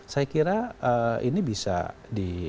saya kira ini bisa di